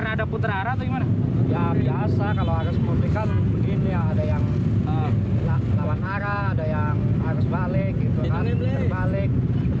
ada yang harus balik ada yang harus terbalik